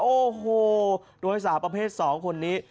โอ้โหโดยสาวประเภท๒คนนี้